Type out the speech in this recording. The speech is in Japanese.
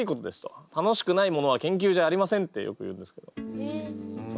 楽しくないものは研究じゃありませんってよく言うんですけどそう。